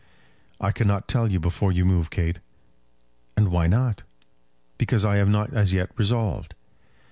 "I cannot tell you before you move, Kate." "And why not?" "Because I have not as yet resolved."